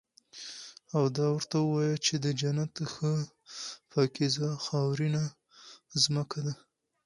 او دا ورته ووايه چې د جنت ښه پاکيزه خاورينه زمکه ده